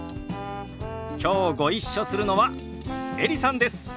きょうご一緒するのはエリさんです。